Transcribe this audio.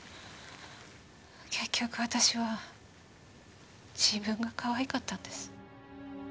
結局私は自分がかわいかったんです。